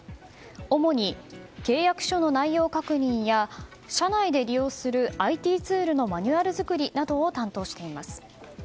主に契約書の内容確認や社内で利用するＩＴツールのマニュアル作りなどを担当しています。